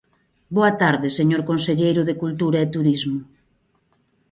Boa tarde, señor conselleiro de Cultura e Turismo.